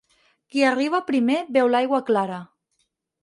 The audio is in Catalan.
Qui arriba primer beu l'aigua clara.